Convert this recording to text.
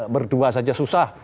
berdua saja susah